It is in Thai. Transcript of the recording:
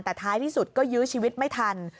แต่ท้ายที่สุดก็ยื้อชีวิตไม่ทัน